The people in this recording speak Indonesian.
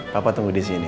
papa tunggu disini